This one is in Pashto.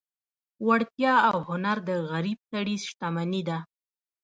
وړتیا او هنر د غریب سړي شتمني ده.